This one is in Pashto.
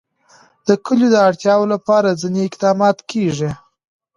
د کلیو د اړتیاوو لپاره ځینې اقدامات کېږي.